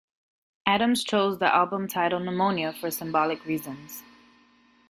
Adams chose the album title "Pneumonia" for symbolic reasons.